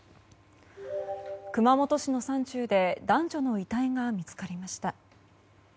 熊本市の山中で男女の遺体が見つかりました。